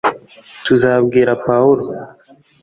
tuzabwira pawulo